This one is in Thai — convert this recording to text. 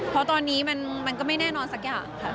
เพราะตอนนี้มันก็ไม่แน่นอนสักอย่างค่ะ